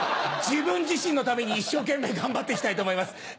自分自身のために一生懸命頑張って行きたいと思います。